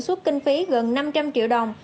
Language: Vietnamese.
xuất kinh phí gần năm trăm linh triệu đồng